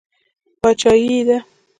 باچایي یې ده.